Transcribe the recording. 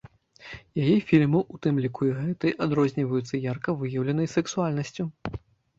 Яе фільмы, у тым ліку і гэты, адрозніваюцца ярка выяўленай сексуальнасцю.